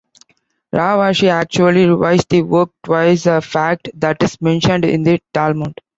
Rav Ashi actually revised the work twice-a fact that is mentioned in the Talmud.